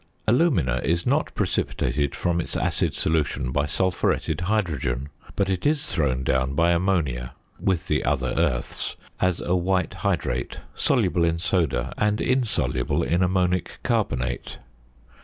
~ Alumina is not precipitated from its acid solution by sulphuretted hydrogen, but it is thrown down by ammonia (with the other earths) as a white hydrate, soluble in soda and insoluble in ammonic carbonate.